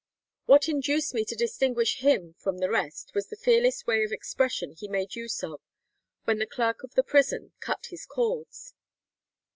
What induced me to distinguish him from the rest was the fearless way of expression he made use of when the clerk of the prison cut his cords.